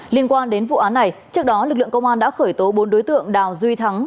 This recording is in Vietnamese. liên quan đến vụ án này trước đó lực lượng công an đã khởi tố bốn đối tượng đào duy thắng